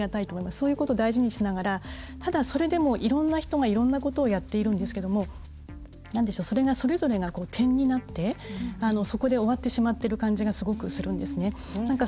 そういうことを大事にしながらただ、それでもいろんな人がいろんなことをやっているんですけどそれぞれが点になってそこで終わってしまっている感じがすごくするんです。